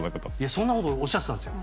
そんなことおっしゃってたんですよ。